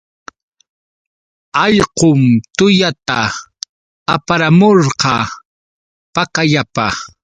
Allqun tullata aparamurqa pakallapa.